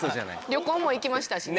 旅行も行きましたしね。